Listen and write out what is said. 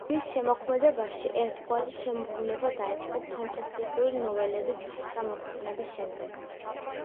მის შემოქმედებაში ერთგვარი შემობრუნება დაიწყო ფანტასტიკური ნოველების გამოქვეყნების შემდეგ.